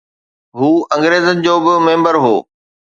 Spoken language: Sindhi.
هو انگريزن جو به ميمبر هو